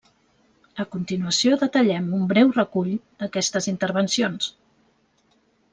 A continuació detallem un breu recull d'aquestes intervencions.